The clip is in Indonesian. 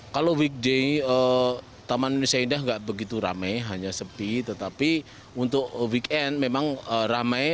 kalau weekday taman indonesia indah nggak begitu ramai hanya sepi tetapi untuk weekend memang ramai